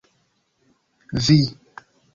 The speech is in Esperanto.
vi